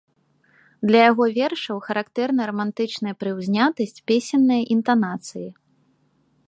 Для яго вершаў характэрна рамантычная прыўзнятасць, песенныя інтанацыі.